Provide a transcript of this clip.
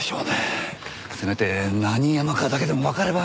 せめて何山かだけでもわかれば。